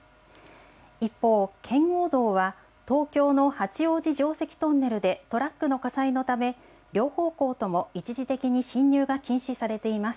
一方、圏央道は東京の八王子城跡トンネルでトラックの火災のため、両方向とも一時的に進入が禁止されています。